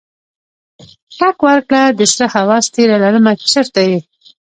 ټک ورکړه دسره هوس تیره لړمه چرته یې؟